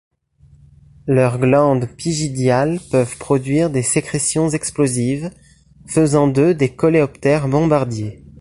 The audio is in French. Leurs glandes pygidiales peuvent produire des sécrétions explosives, faisant d'eux des coléoptères bombardiers.